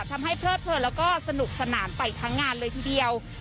เพลิดเพลินแล้วก็สนุกสนานไปทั้งงานเลยทีเดียว